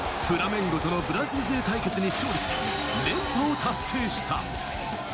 フラメンゴとのブラジル勢対決に勝利し、連覇を達成した。